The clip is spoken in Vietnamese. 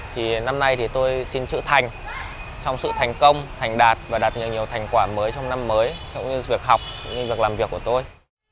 thì năm nay thì tôi xin chữ thành trong sự thành công thành đạt và đạt nhiều nhiều thành quả mới trong năm mới trong những việc học những việc làm việc của tôi